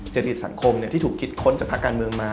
เศรษฐกิจสังคมที่ถูกคิดค้นจากภาคการเมืองมา